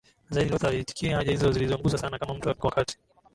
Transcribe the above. zaidi Luther aliitikia haja hizo zilizomgusa sana kama mtu wa wakati